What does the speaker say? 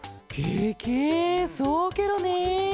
ケケそうケロね。